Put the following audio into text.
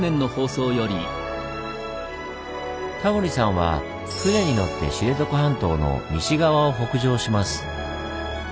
タモリさんは船に乗って知床半島の西側を北上します。